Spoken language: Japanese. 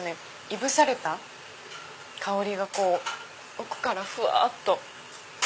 いぶされた香りが奥からふわっと。